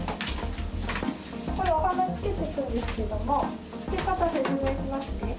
これ、お鼻つけるんですけども、つけ方説明しますね。